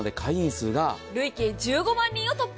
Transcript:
累計１５万人を突破。